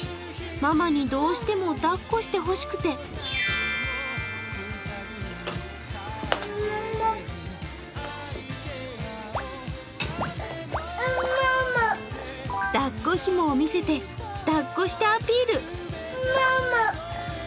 ママにどうしても抱っこしてほしくて抱っこひもを見せてだっこしてアピール。